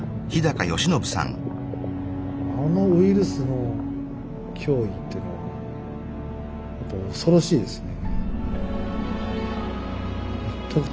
あのウイルスの脅威というのは恐ろしいですね。